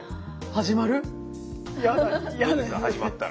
始まったら。